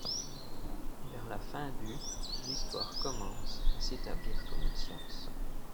Vers la fin du l’histoire commence à s’établir comme une science.